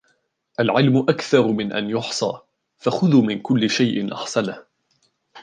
الْعِلْمُ أَكْثَرُ مِنْ أَنْ يُحْصَى فَخُذُوا مِنْ كُلِّ شَيْءٍ أَحْسَنَهُ